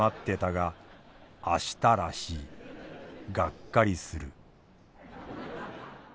がっかりする」。